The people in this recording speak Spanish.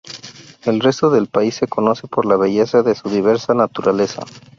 El resto del país se conoce por la belleza de su diversa naturaleza.